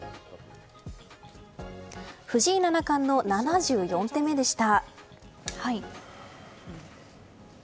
藤井七冠の７４手目でした。